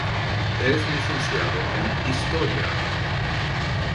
Es licenciado en Historia.